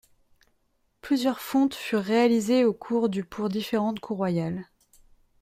Plusieurs fontes furent réalisées au cours du pour différentes cours royales.